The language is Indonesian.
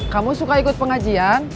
kamu suka ikut pengajian